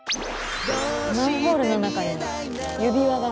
マンホールの中に指輪が。